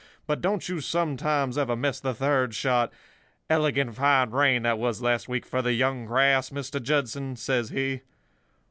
'But don't you sometimes ever miss the third shot? Elegant fine rain that was last week for the young grass, Mr. Judson?' says he.